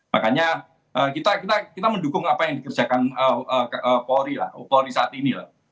makanya kita mendukung apa yang dikerjakan polri saat ini